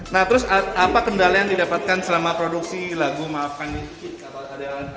nah terus apa kendala yang didapatkan selama produksi lagu maafkan ini